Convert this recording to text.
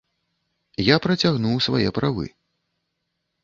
Я працягнуў свае правы.